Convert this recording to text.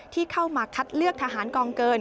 ที่เข้ามาคัดเลือกทหารกองเกิน